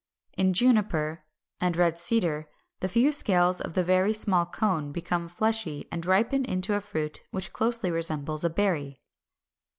In Juniper and Red Cedar, the few scales of the very small cone become fleshy, and ripen into a fruit which closely resembles a berry.